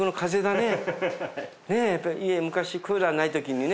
ねぇ家昔クーラーないときにね